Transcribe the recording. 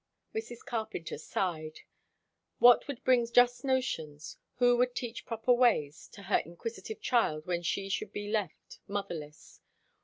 Mrs. Carpenter sighed. What would bring just notions, who would teach proper ways, to her inquisitive child when she should be left motherless?